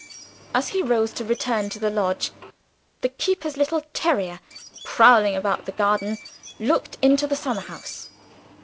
As he rose to return to the lodge, the keeper's little terrier, prowling about the garden, looked into the summer house.